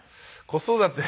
子育て。